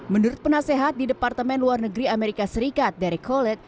menurut penasehat di departemen luar negeri amerika serikat dari collet